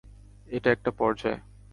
এটা একটা পর্যায়।